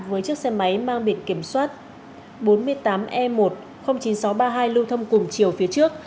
với chiếc xe máy mang biển kiểm soát bốn mươi tám e một chín nghìn sáu trăm ba mươi hai lưu thông cùng chiều phía trước